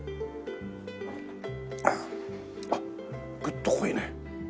あっぐっと濃いね！